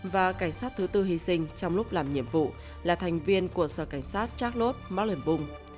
và cảnh sát thứ tư hy sinh trong lúc làm nhiệm vụ là thành viên của sở cảnh sát charlotte mellon burr